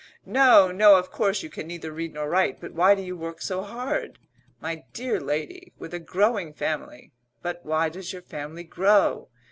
"No, no, of course you can neither read nor write. But why do you work so hard?" "My dear lady, with a growing family " "But why does your family grow?"